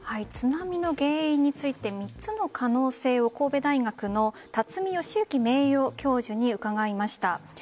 津波の原因について３つの可能性を神戸大学の巽好幸名誉教授に伺いました。